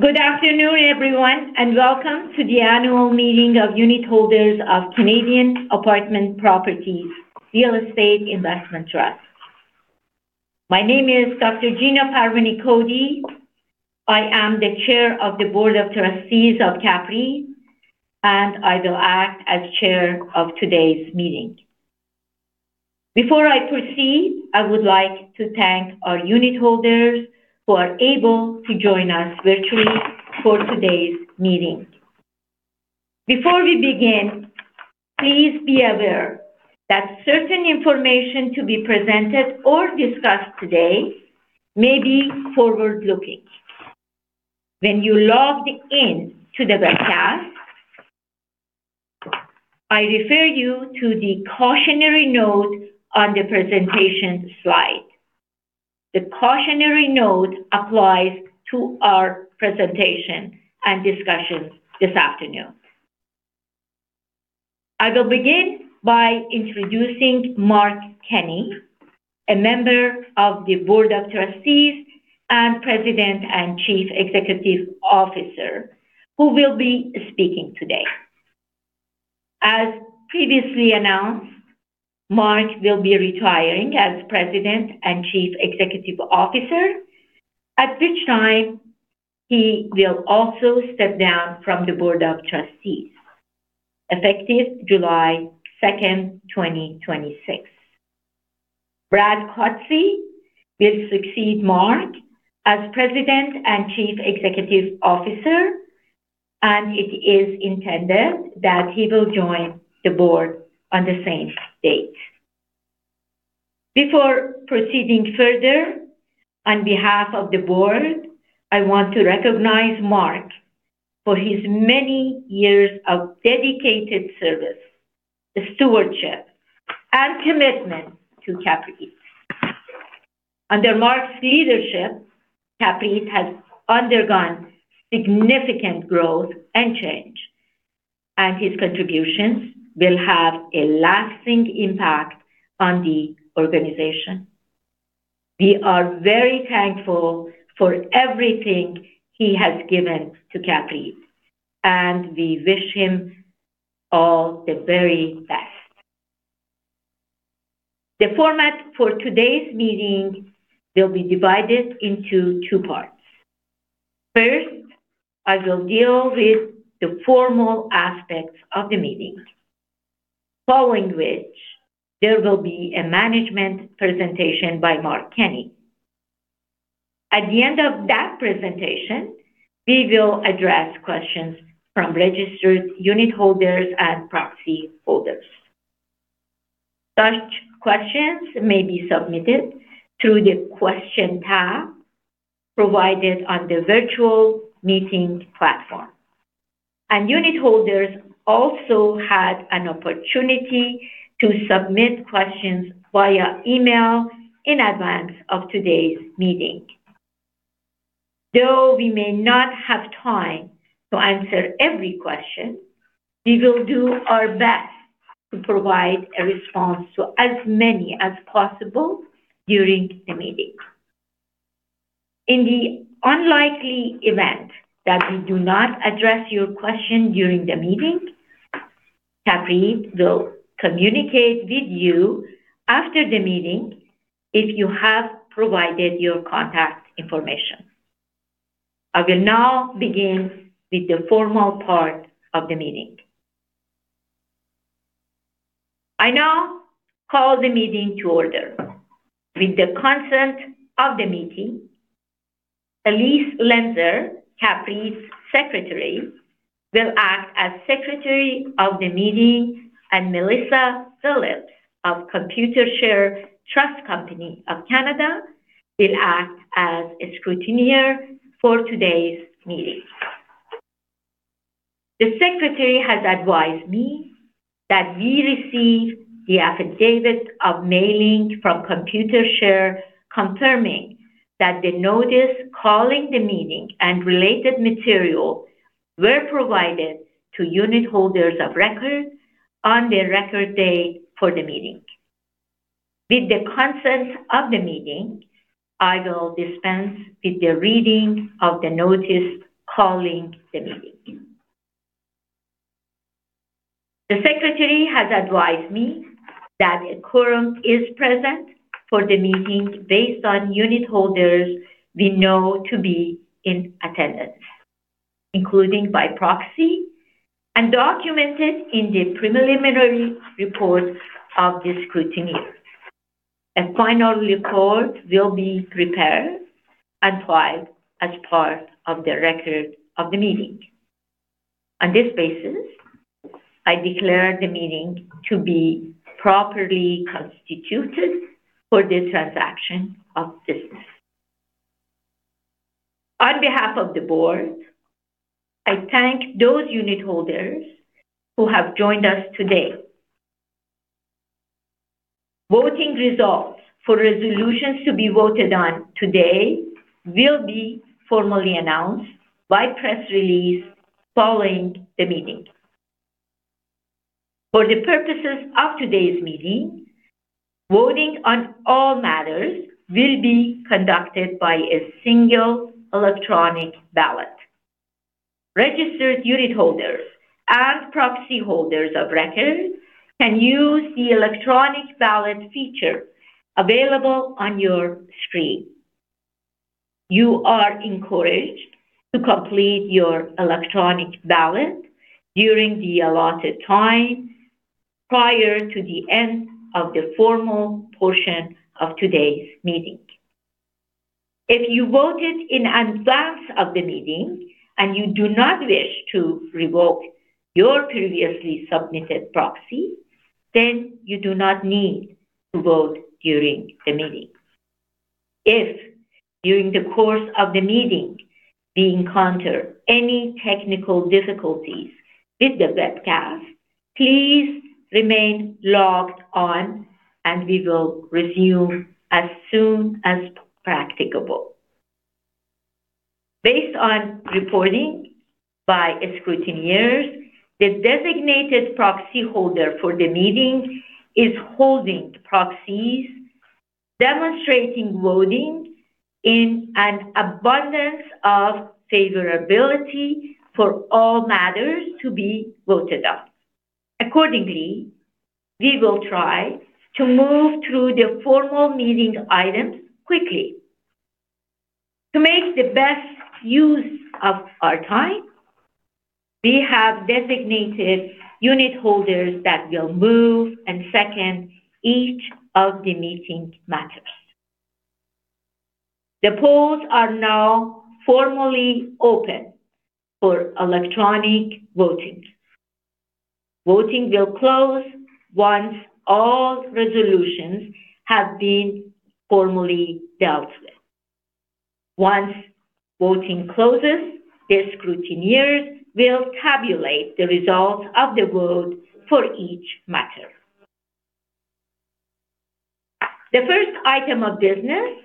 Good afternoon, everyone, and welcome to the annual meeting of unitholders of Canadian Apartment Properties Real Estate Investment Trust. My name is Dr. Gina Parvaneh Cody. I am the Chair of the Board of Trustees of CAPREIT, and I will act as chair of today's meeting. Before I proceed, I would like to thank our unitholders who are able to join us virtually for today's meeting. Before we begin, please be aware that certain information to be presented or discussed today may be forward-looking. When you logged in to the webcast, I refer you to the cautionary note on the presentation slide. The cautionary note applies to our presentation and discussion this afternoon. I will begin by introducing Mark Kenney, a member of the board of trustees and President and Chief Executive Officer, who will be speaking today. As previously announced, Mark will be retiring as President and Chief Executive Officer, at which time he will also step down from the board of trustees, effective July 2nd, 2026. Brad Cutsey will succeed Mark as President and Chief Executive Officer, and it is intended that he will join the board on the same date. Before proceeding further, on behalf of the board, I want to recognize Mark for his many years of dedicated service, stewardship, and commitment to CAPREIT. Under Mark's leadership, CAPREIT has undergone significant growth and change, and his contributions will have a lasting impact on the organization. We are very thankful for everything he has given to CAPREIT, and we wish him all the very best. The format for today's meeting will be divided into two parts. First, I will deal with the formal aspects of the meeting, following which there will be a management presentation by Mark Kenney. At the end of that presentation, we will address questions from registered unitholders and proxy holders. Such questions may be submitted through the question tab provided on the virtual meeting platform. Unitholders also had an opportunity to submit questions via email in advance of today's meeting. Though we may not have time to answer every question, we will do our best to provide a response to as many as possible during the meeting. In the unlikely event that we do not address your question during the meeting, CAPREIT will communicate with you after the meeting if you have provided your contact information. I will now begin with the formal part of the meeting. I now call the meeting to order. With the consent of the meeting, Elise Lenser, CAPREIT's secretary, will act as secretary of the meeting, and Melissa Phillips of Computershare Trust Company of Canada will act as a scrutineer for today's meeting. The secretary has advised me that we received the affidavit of mailing from Computershare confirming that the notice calling the meeting and related material were provided to unitholders of record on the record date for the meeting. With the consent of the meeting, I will dispense with the reading of the notice calling the meeting. The secretary has advised me that a quorum is present for the meeting based on unitholders we know to be in attendance, including by proxy and documented in the preliminary report of the scrutineer. A final report will be prepared and filed as part of the record of the meeting. On this basis, I declare the meeting to be properly constituted for the transaction of business. On behalf of the board, I thank those unitholders who have joined us today. Voting results for resolutions to be voted on today will be formally announced by press release following the meeting. For the purposes of today's meeting, voting on all matters will be conducted by a single electronic ballot. Registered unitholders and proxyholders of records can use the electronic ballot feature available on your screen. You are encouraged to complete your electronic ballot during the allotted time prior to the end of the formal portion of today's meeting. If you voted in advance of the meeting and you do not wish to revoke your previously submitted proxy, then you do not need to vote during the meeting. If, during the course of the meeting, we encounter any technical difficulties with the webcast, please remain logged on, and we will resume as soon as practicable. Based on reporting by scrutineers, the designated proxyholder for the meeting is holding proxies, demonstrating voting in an abundance of favorability for all matters to be voted on. Accordingly, we will try to move through the formal meeting items quickly. To make the best use of our time, we have designated unitholders that will move and second each of the meeting matters. The polls are now formally open for electronic voting. Voting will close once all resolutions have been formally dealt with. Once voting closes, the scrutineers will tabulate the results of the vote for each matter. The first item of business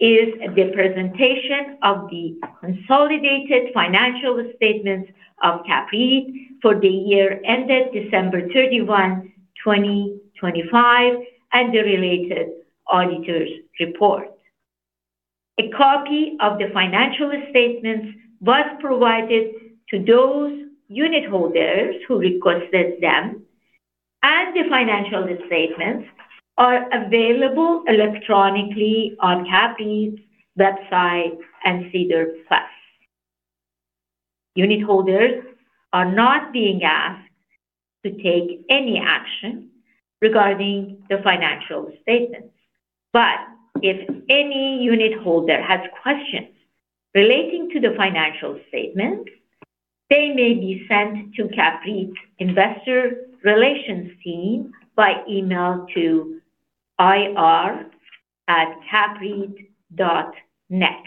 is the presentation of the consolidated financial statements of CAPREIT for the year ended December 31st, 2025, and the related auditor's report. A copy of the financial statements was provided to those unitholders who requested them, and the financial statements are available electronically on CAPREIT's website and SEDAR+. Unitholders are not being asked to take any action regarding the financial statements. If any unitholder has questions relating to the financial statements, they may be sent to CAPREIT investor relations team by email to ir@capreit.net.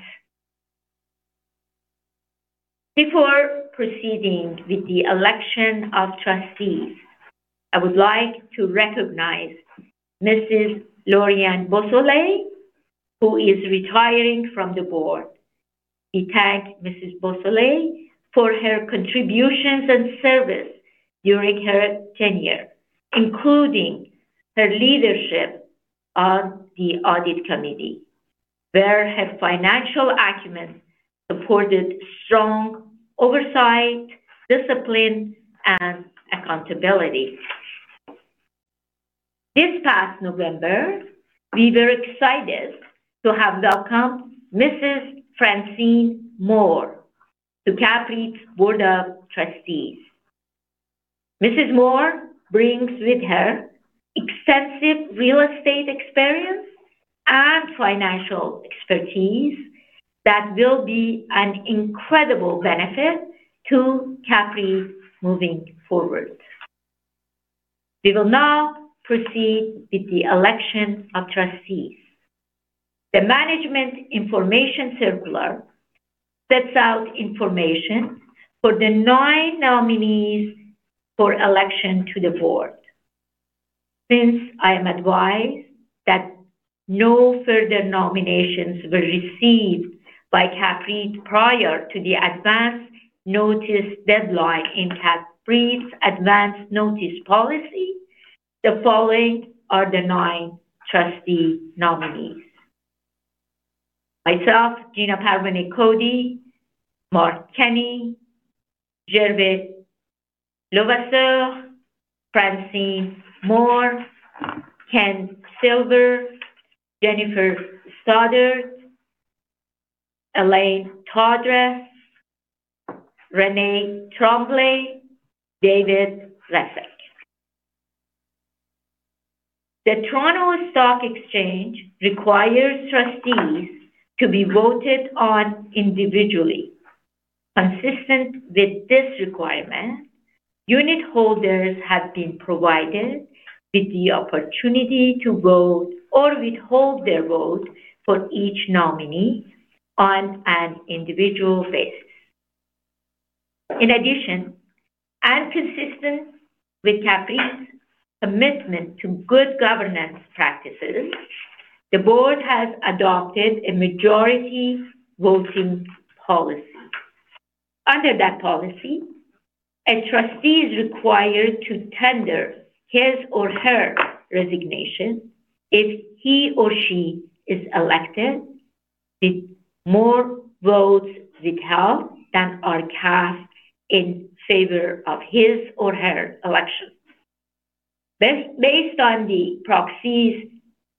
Before proceeding with the election of trustees, I would like to recognize Mrs. Lori-Ann Beausoleil, who is retiring from the board. We thank Mrs. Beausoleil for her contributions and service during her tenure, including her leadership on the audit committee, where her financial acumen supported strong oversight, discipline, and accountability. This past November, we were excited to have welcomed Mrs. Francine Moore to CAPREIT's board of trustees. Mrs. Moore brings with her extensive real estate experience and financial expertise that will be an incredible benefit to CAPREIT moving forward. We will now proceed with the election of trustees. The management information circular sets out information for the nine nominees for election to the board. Since I am advised that no further nominations were received by CAPREIT prior to the advance notice deadline in CAPREIT's advance notice policy, the following are the nine trustee nominees. Myself, Gina Parvaneh Cody, Mark Kenney, Gervais Levasseur, Francine Moore, Ken Silver, Jennifer Stoddart, Elaine Todres, René Tremblay, David Wesik. The Toronto Stock Exchange requires trustees to be voted on individually. Consistent with this requirement, unitholders have been provided with the opportunity to vote or withhold their vote for each nominee on an individual basis. In addition, and consistent with CAPREIT's commitment to good governance practices, the board has adopted a majority voting policy. Under that policy, a trustee is required to tender his or her resignation if he or she is elected with more votes veto than are cast in favor of his or her election. Based on the proxies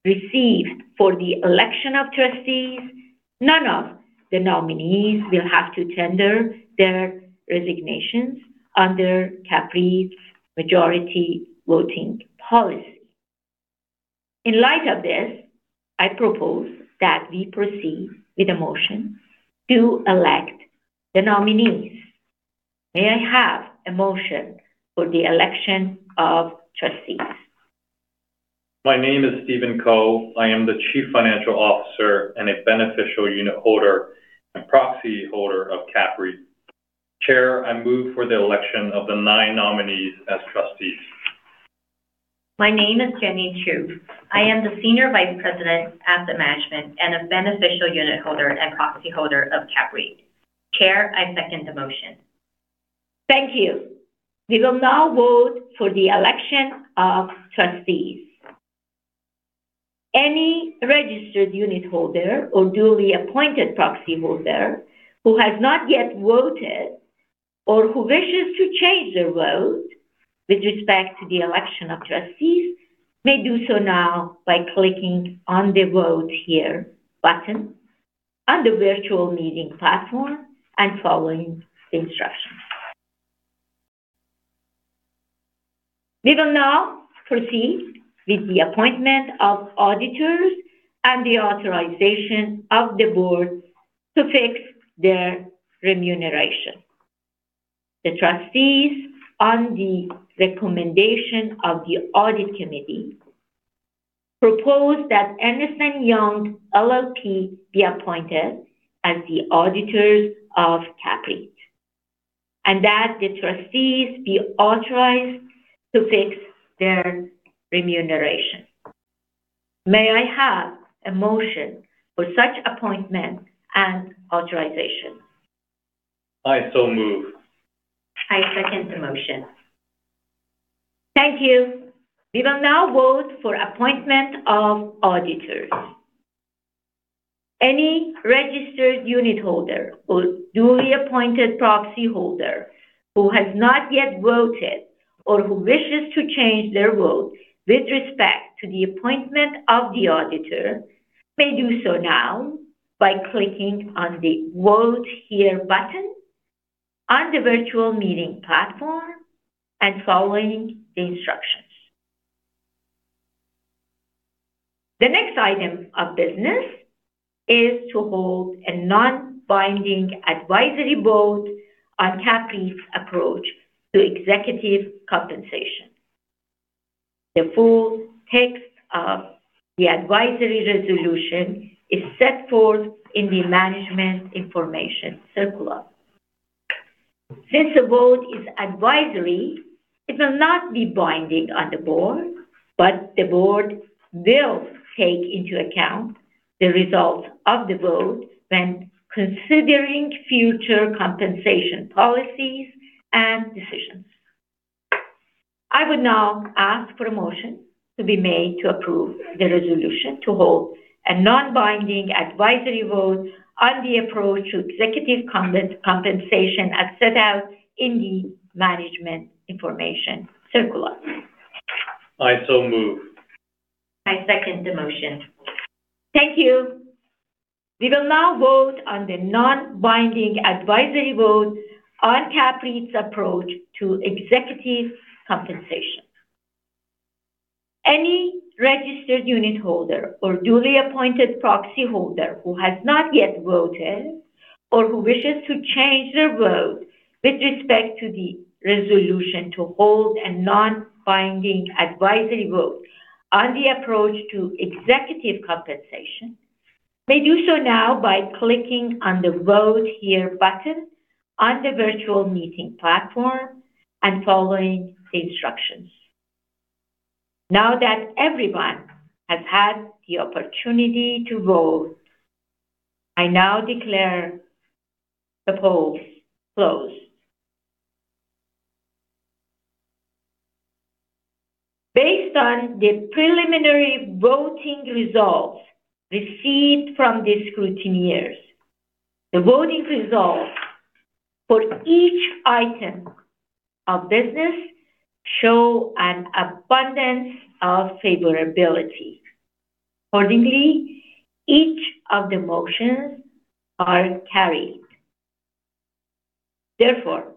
received for the election of trustees, none of the nominees will have to tender their resignations under CAPREIT's majority voting policy. In light of this, I propose that we proceed with a motion to elect the nominees. May I have a motion for the election of trustees? My name is Stephen Co. I am the Chief Financial Officer and a beneficial unit holder and proxy holder of CAPREIT. Chair, I move for the election of the nine nominees as trustees. My name is Jenny Chou. I am the Senior Vice President, Asset Management, and a beneficial unit holder and proxy holder of CAPREIT. Chair, I second the motion. Thank you. We will now vote for the election of trustees. Any registered unit holder or duly appointed proxy holder who has not yet voted or who wishes to change their vote with respect to the election of trustees may do so now by clicking on the Vote Here button on the virtual meeting platform and following the instructions. We will now proceed with the appointment of auditors and the authorization of the board to fix their remuneration. The trustees, on the recommendation of the audit committee, propose that Ernst & Young LLP be appointed as the auditors of CAPREIT, and that the trustees be authorized to fix their remuneration. May I have a motion for such appointment and authorization? I so move. I second the motion. Thank you. We will now vote for appointment of auditors. Any registered unit holder or duly appointed proxy holder who has not yet voted or who wishes to change their vote with respect to the appointment of the auditor may do so now by clicking on the Vote Here button on the virtual meeting platform and following the instructions. The next item of business is to hold a non-binding advisory vote on CAPREIT's approach to executive compensation. The full text of the advisory resolution is set forth in the management information circular. Since the vote is advisory, it will not be binding on the board, but the board will take into account the result of the vote when considering future compensation policies and decisions. I would now ask for a motion to be made to approve the resolution to hold a non-binding advisory vote on the approach to executive compensation as set out in the management information circular. I so move. I second the motion. Thank you. We will now vote on the non-binding advisory vote on CAPREIT's approach to executive compensation. Any registered unit holder or duly appointed proxy holder who has not yet voted or who wishes to change their vote with respect to the resolution to hold a non-binding advisory vote on the approach to executive compensation may do so now by clicking on the Vote Here button on the virtual meeting platform and following the instructions. Now that everyone has had the opportunity to vote, I now declare the polls closed. Based on the preliminary voting results received from the scrutineers, the voting results for each item of business show an abundance of favorability. Accordingly, each of the motions are carried. Therefore,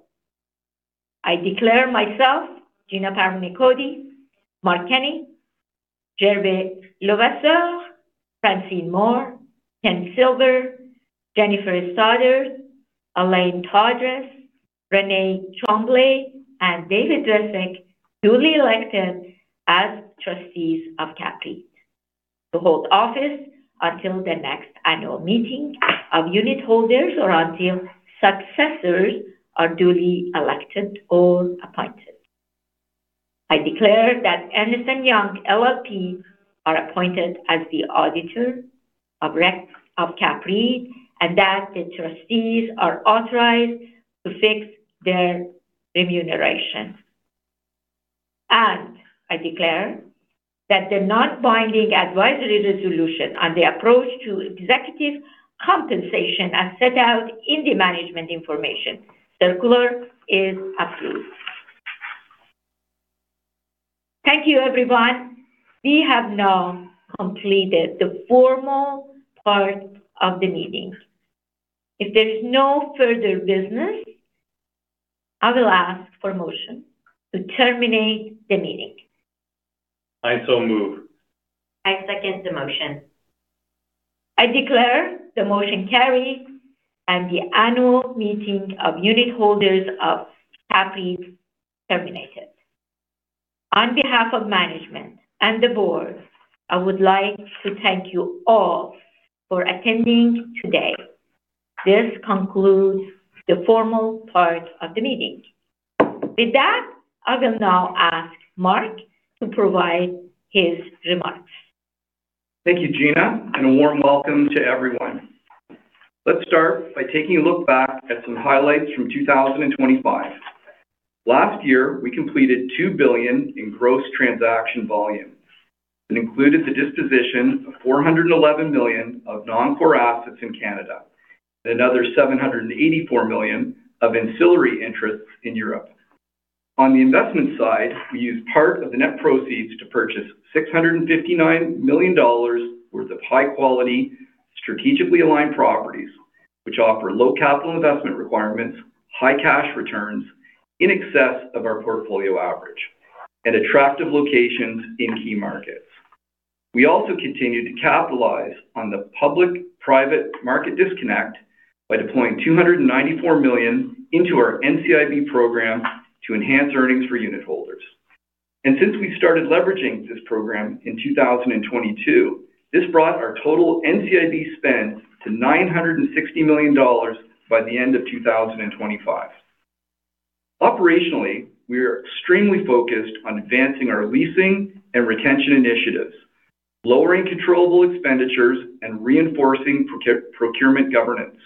I declare myself, Gina Parvaneh Cody, Mark Kenney, Gervais Levasseur, Francine Moore, Ken Silver, Jennifer Stoddart, Elaine Todres, René Tremblay, and David Wesik duly elected as trustees of CAPREIT to hold office until the next annual meeting of unit holders or until successors are duly elected or appointed. I declare that Ernst & Young LLP are appointed as the auditor of CAPREIT, and that the trustees are authorized to fix their remuneration. I declare that the non-binding advisory resolution on the approach to executive compensation, as set out in the management information circular, is approved. Thank you, everyone. We have now completed the formal part of the meeting. If there is no further business, I will ask for a motion to terminate the meeting. I so move. I second the motion. I declare the motion carried and the annual meeting of unit holders of CAPREIT terminated. On behalf of management and the board, I would like to thank you all for attending today. This concludes the formal part of the meeting. I will now ask Mark to provide his remarks. Thank you, Gina, and a warm welcome to everyone. Let's start by taking a look back at some highlights from 2025. Last year, we completed 2 billion in gross transaction volume. It included the disposition of 411 million of non-core assets in Canada and another 784 million of ancillary interests in Europe. On the investment side, we used part of the net proceeds to purchase 659 million dollars worth of high-quality, strategically aligned properties which offer low capital investment requirements, high cash returns in excess of our portfolio average, and attractive locations in key markets. We also continue to capitalize on the public-private market disconnect by deploying 294 million dollars into our NCIB program to enhance earnings for unit holders. Since we started leveraging this program in 2022, this brought our total NCIB spend to 960 million dollars by the end of 2025. Operationally, we are extremely focused on advancing our leasing and retention initiatives, lowering controllable expenditures, and reinforcing procurement governance.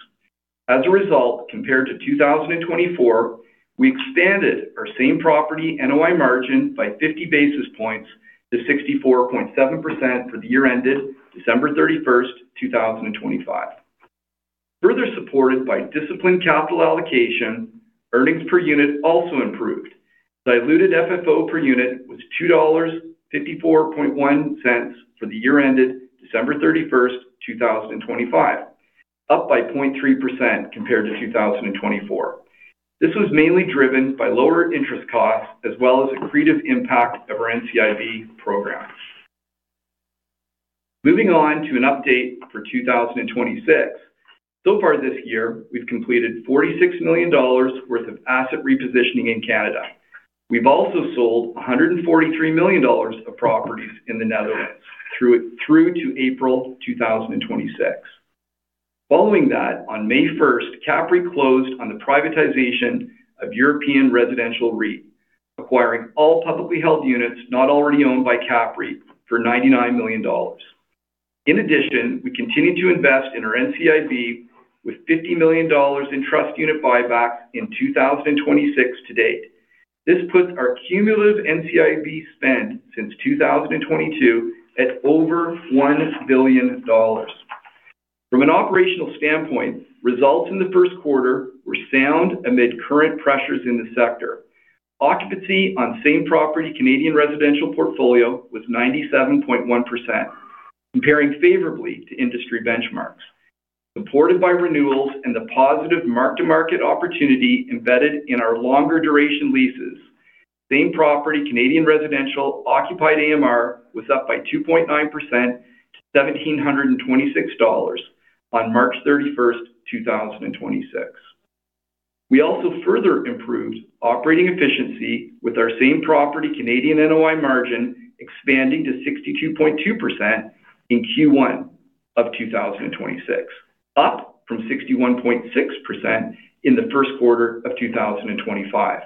As a result, compared to 2024, we expanded our same property NOI margin by 50 basis points to 64.7% for the year ended December 31st, 2025. Further supported by disciplined capital allocation, earnings per unit also improved. Diluted FFO per unit was 2.541 dollars for the year ended December 31st, 2025, up by 0.3% compared to 2024. This was mainly driven by lower interest costs as well as accretive impact of our NCIB program. Moving on to an update for 2026. Far this year, we've completed 46 million dollars worth of asset repositioning in Canada. We've also sold 143 million dollars of properties in the Netherlands through to April 2026. Following that, on May 1st, CAPREIT closed on the privatization of European Residential REIT, acquiring all publicly held units not already owned by CAPREIT for 99 million dollars. In addition, we continue to invest in our NCIB with 50 million dollars in trust unit buybacks in 2026 to date. This puts our cumulative NCIB spend since 2022 at over 1 billion dollars. From an operational standpoint, results in the first quarter were sound amid current pressures in the sector. Occupancy on same property Canadian residential portfolio was 97.1%, comparing favorably to industry benchmarks. Supported by renewals and the positive mark-to-market opportunity embedded in our longer duration leases, same property Canadian residential occupied AMR was up by 2.9% to 1,726 dollars on March 31st, 2026. We also further improved operating efficiency with our same property Canadian NOI margin expanding to 62.2% in Q1 of 2026, up from 61.6% in the first quarter of 2025.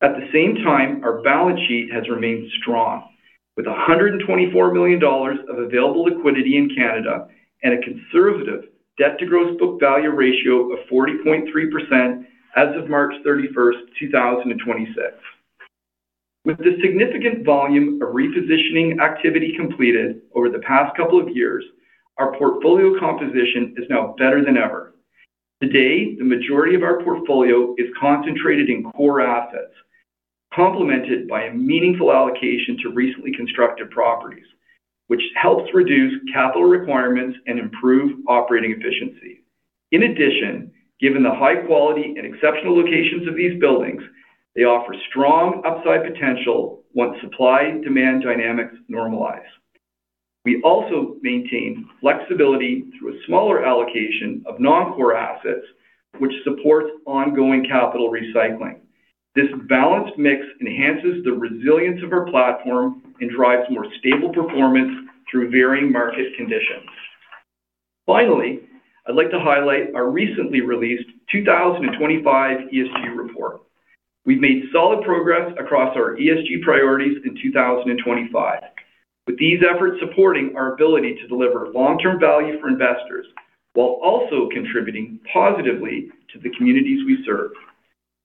At the same time, our balance sheet has remained strong, with 124 million dollars of available liquidity in Canada and a conservative debt to gross book value ratio of 40.3% as of March 31st, 2026. With the significant volume of repositioning activity completed over the past couple of years, our portfolio composition is now better than ever. Today, the majority of our portfolio is concentrated in core assets, complemented by a meaningful allocation to recently constructed properties, which helps reduce capital requirements and improve operating efficiency. In addition, given the high quality and exceptional locations of these buildings, they offer strong upside potential once supply-demand dynamics normalize. We also maintain flexibility through a smaller allocation of non-core assets, which supports ongoing capital recycling. This balanced mix enhances the resilience of our platform and drives more stable performance through varying market conditions. Finally, I'd like to highlight our recently released 2025 ESG report. We've made solid progress across our ESG priorities in 2025. With these efforts supporting our ability to deliver long-term value for investors while also contributing positively to the communities we serve.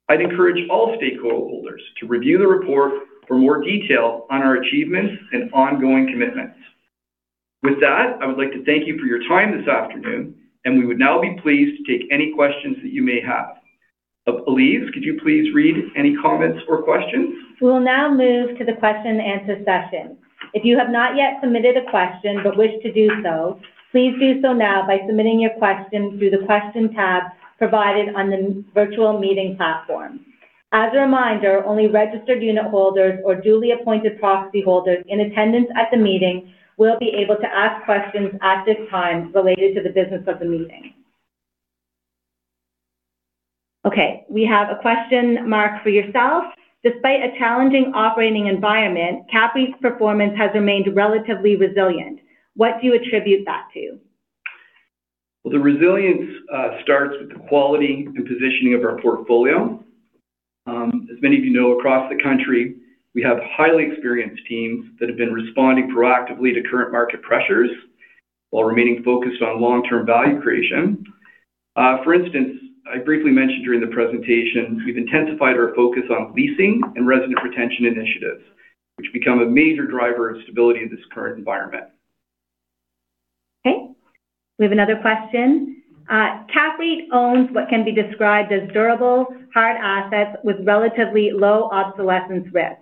I'd encourage all stakeholders to review the report for more detail on our achievements and ongoing commitments. With that, I would like to thank you for your time this afternoon. We would now be pleased to take any questions that you may have. Please, could you please read any comments or questions? We will now move to the question and answer session. If you have not yet submitted a question but wish to do so, please do so now by submitting your question through the question tab provided on the virtual meeting platform. As a reminder, only registered unitholders or duly appointed proxyholders in attendance at the meeting will be able to ask questions at this time related to the business of the meeting. Okay, we have a question, Mark, for yourself. Despite a challenging operating environment, CAPREIT's performance has remained relatively resilient. What do you attribute that to? Well, the resilience starts with the quality and positioning of our portfolio. As many of you know, across the country, we have highly experienced teams that have been responding proactively to current market pressures while remaining focused on long-term value creation. For instance, I briefly mentioned during the presentation, we've intensified our focus on leasing and resident retention initiatives, which become a major driver of stability in this current environment. Okay, we have another question. CAPREIT owns what can be described as durable, hard assets with relatively low obsolescence risk.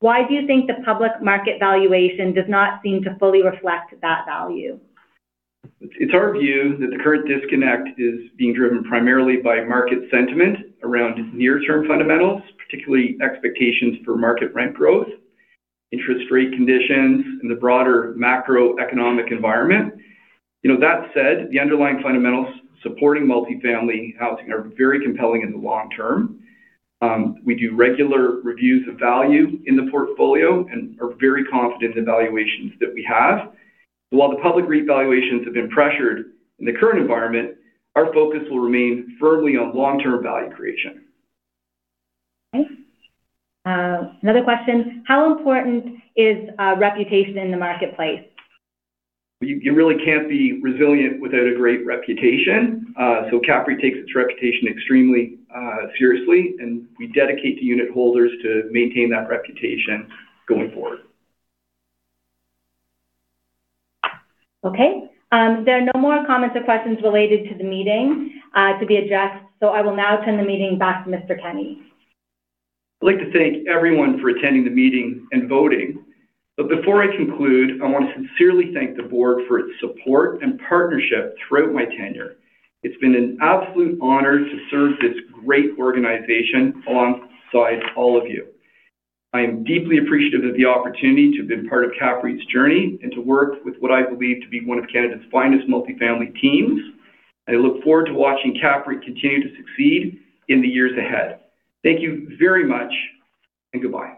Why do you think the public market valuation does not seem to fully reflect that value? It's our view that the current disconnect is being driven primarily by market sentiment around near-term fundamentals, particularly expectations for market rent growth, interest rate conditions, and the broader macroeconomic environment. That said, the underlying fundamentals supporting multifamily housing are very compelling in the long term. We do regular reviews of value in the portfolio and are very confident in the valuations that we have. While the public REIT valuations have been pressured in the current environment, our focus will remain firmly on long-term value creation. Okay. Another question. How important is reputation in the marketplace? You really can't be resilient without a great reputation. CAPREIT takes its reputation extremely seriously, and we dedicate to unitholders to maintain that reputation going forward. Okay. There are no more comments or questions related to the meeting to be addressed, I will now turn the meeting back to Mr. Kenney. I'd like to thank everyone for attending the meeting and voting. Before I conclude, I want to sincerely thank the board for its support and partnership throughout my tenure. It's been an absolute honor to serve this great organization alongside all of you. I am deeply appreciative of the opportunity to have been part of CAPREIT's journey and to work with what I believe to be one of Canada's finest multifamily teams. I look forward to watching CAPREIT continue to succeed in the years ahead. Thank you very much, and goodbye.